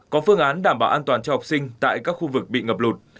có phương án đảm bảo an toàn cho học sinh tại các khu vực bị ngập lụt